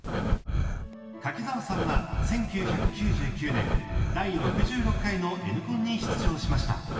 柿澤さんは１９９９年第６６回の「Ｎコン」に出場しました。